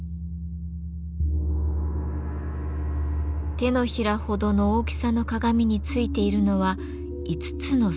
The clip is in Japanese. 手のひらほどの大きさの鏡についているのは５つの鈴。